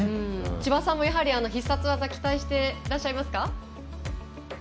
千葉さんもやはり必殺技期待してらっしゃいますか？